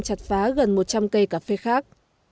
chặt phá gần một trăm linh cây cà phê khác